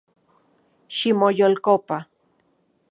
Ximoyolkopa